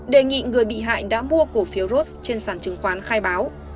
đề nghị người bị hại đã mua cổ phiếu ros trên sản chứng khoán khai báo